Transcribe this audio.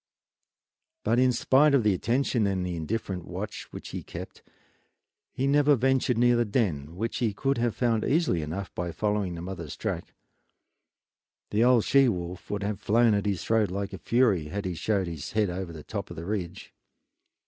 But spite of the attention and the indifferent watch which he kept, he never ventured near the den, which he could have found easily enough by following the mother's track. The old she wolf would have flown at his throat like a fury had he showed his head over the top of the ridge.